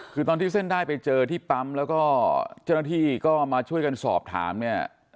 คือตอนที่เส้นได้ไปเจอที่ปั๊มแล้วก็เจ้าหน้าที่ก็มาช่วยกันสอบถามเนี่ย